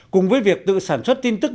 cùng với việc tự sản xuất tin tức